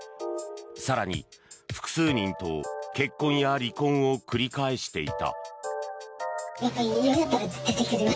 更に、複数人と結婚や離婚を繰り返していた。